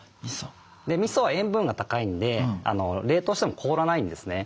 みそは塩分が高いんで冷凍しても凍らないんですね。